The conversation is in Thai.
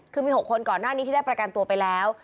คือมี๖คนก่อนหน้านี้ที่ได้ประกันตัวไปแล้ว